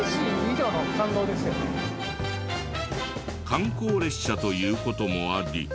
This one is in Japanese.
観光列車という事もあり。